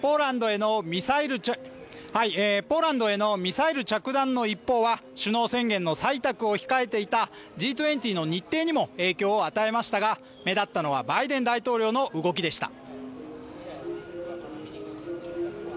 ポーランドへのミサイル着弾の一報は首脳宣言の採択を控えていたＧ２０の日程にも影響を与えましたが、目立ったのはバイデン大統領の動きでした。